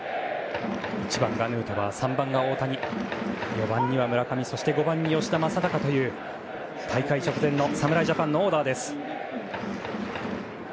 １番がヌートバー、３番に大谷４番に村上５番に吉田正尚という大会直前の侍ジャパンのオーダーです。